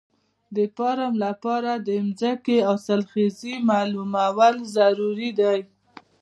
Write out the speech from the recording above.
د فارم لپاره د ځمکې حاصلخېزي معلومول ضروري دي.